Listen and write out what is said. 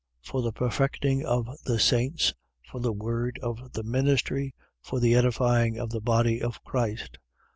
For the perfecting of the saints, for the word of the ministry, for the edifying of the body of Christ: 4:13.